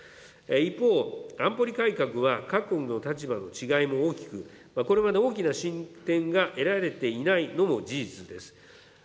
一方、安保理改革は各国の立場の違いも大きく、これまで大きな進展が得られていないのも事実です。